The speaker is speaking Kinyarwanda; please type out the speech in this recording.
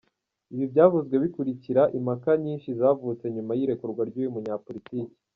Ibi byavuzwe bikurikira impaka nyinshi zavutse nyuma y'irekurwa ry'uyu munyapolitiki.